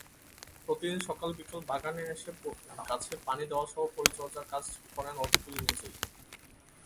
প্রতিদিন সকাল-বিকেল বাগানে এসে গাছে পানি দেওয়াসহ পরিচর্যার কাজ করেন অহিদুল নিজেই।